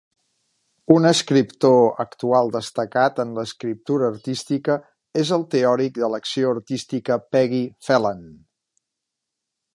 Un escriptor actual destacat en l'escriptura artística és el teòric de l'acció artística Peggy Phelan.